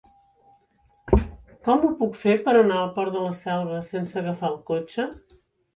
Com ho puc fer per anar al Port de la Selva sense agafar el cotxe?